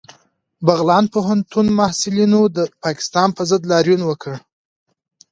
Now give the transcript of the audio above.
بغلان پوهنتون محصلینو د پاکستان پر ضد لاریون وکړ